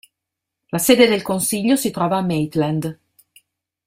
La sede del consiglio si trova a Maitland.